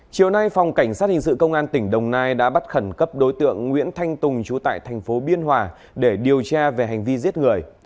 chiều nay phòng cảnh sát hình sự công an tỉnh đồng nai đã bắt khẩn cấp đối tượng nguyễn thanh tùng chú tại thành phố biên hòa để điều tra về hành vi giết người